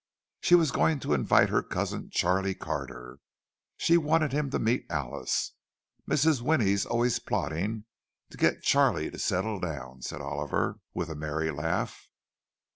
She was going to invite her cousin, Charlie Carter—she wanted him to meet Alice. "Mrs. Winnie's always plotting to get Charlie to settle down," said Oliver, with a merry laugh.